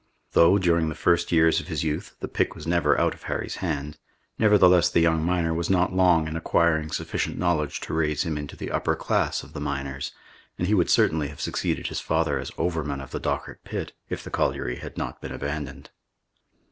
Though, during the first years of his youth, the pick was never out of Harry's hand, nevertheless the young miner was not long in acquiring sufficient knowledge to raise him into the upper class of the miners, and he would certainly have succeeded his father as overman of the Dochart pit, if the colliery had not been abandoned.